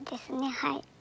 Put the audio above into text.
はい。